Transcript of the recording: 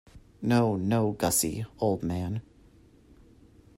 No, no, Gussie, old man.